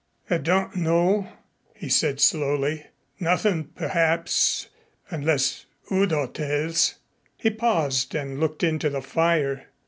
"I don't know," he said slowly. "Nothin' perhaps, unless Udo tells." He paused and looked into the fire.